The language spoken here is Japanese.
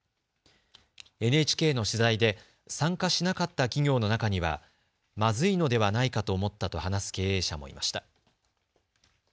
ＮＨＫの取材で参加しなかった企業の中にはまずいのではないかと思ったと話す経営者もいました。